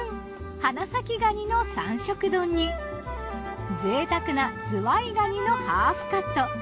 花咲がにの三色丼に贅沢なずわいがにのハーフカット。